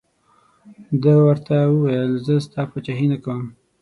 ده ورته وویل زه ستا پاچهي نه کوم.